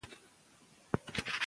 که پاملرنه وي نو خطر نه پیښیږي.